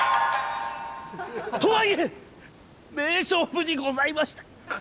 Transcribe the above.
とはいえ名勝負にございました！